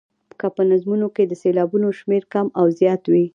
که په نظمونو کې د سېلابونو شمېر کم او زیات وي.